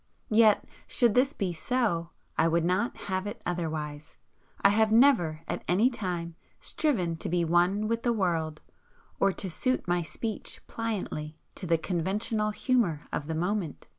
Yet, should this be so, I would not have it otherwise, I have never at any time striven to be one with the world, or to suit my speech pliantly to the conventional humour of the moment.